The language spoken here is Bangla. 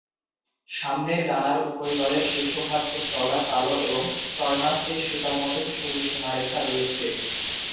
সামনের ডানার উপরিতলের শীর্ষভাগ খুব চওড়া কালো এবং টর্নাস এ সুতোর মত সরু সীমারেখা রয়েছে।